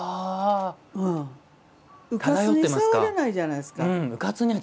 うかつに触れないじゃないですか。